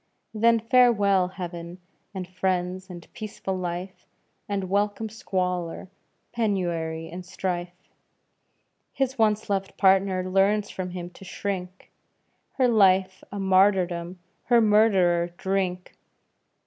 Then farewell heaven and friends, and peaceful life, And welcome squalor, penury, and strife; His once loved partner learns from him to shrink, Her life a martyrdom, her murderer Drink!